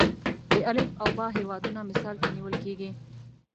د الف او ب هیوادونه مثال کې نیول کېږي.